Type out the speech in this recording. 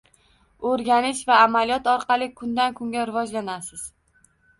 O’rganish va amaliyot orqali kundan-kunga rivojlanasiz.